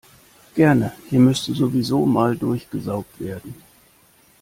Gerne, hier müsste sowieso mal durchgesaugt werden.